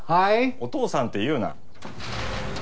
「お父さん」って言うな。